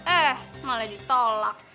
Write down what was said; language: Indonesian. eh malah ditolak